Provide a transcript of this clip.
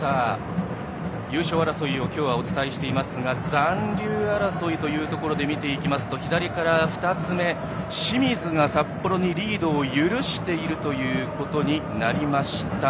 優勝争いをお伝えしていますが残留争いというところで見ていきますと左から２つ目、清水が札幌にリードを許していることになりました。